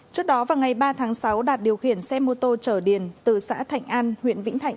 trước đó vào ngày ba tháng sáu đạt điều khiển xe mô tô chở điền từ xã thạnh an huyện vĩnh thạnh